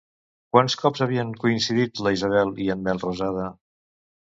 Quants cops havien coincidit la Isabel i en Melrosada?